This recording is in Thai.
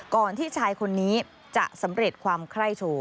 ที่ชายคนนี้จะสำเร็จความไคร้โชว์